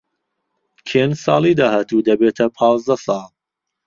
کێن ساڵی داهاتوو دەبێتە پازدە ساڵ.